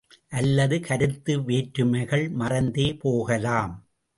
அல்லது கருத்து வேற்றுமைகள் மறந்தே போகலாம்.